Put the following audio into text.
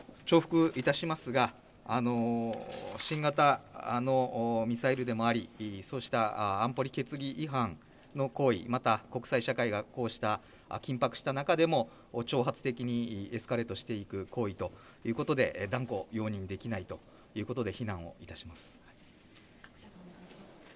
重複いたしますが新型ミサイルでもありそうした安保理決議違反の行為、また国際社会がこうした緊迫した中でも挑発的にエスカレートしていく行為ということで断固容認できないということで非難いたします。